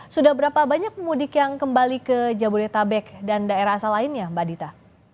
sudah berapa banyak pemudik yang kembali ke jabodetabek dan daerah asal lainnya mbak dita